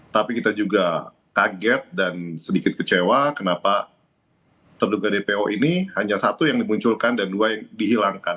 tapi kita juga kaget dan sedikit kecewa kenapa terduga dpo ini hanya satu yang dimunculkan dan dua yang dihilangkan